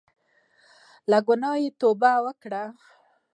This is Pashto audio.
له ګناه توبه وکړه.